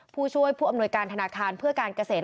ผู้ช่วยผู้อำนวยการธนาคารเพื่อการเกษตร